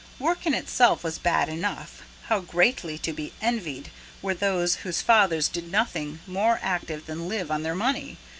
Work in itself was bad enough how greatly to be envied were those whose fathers did nothing more active than live on their money!